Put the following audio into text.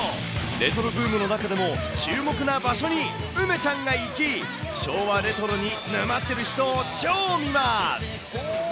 レトロブームの中でも注目な場所に梅ちゃんが行き、昭和レトロに沼っている人を超見ます。